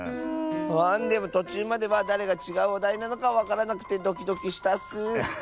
あでもとちゅうまではだれがちがうおだいなのかわからなくてドキドキしたッス！